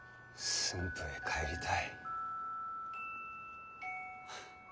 駿府へ帰りたい。